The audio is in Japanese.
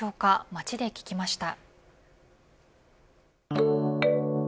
街で聞きました。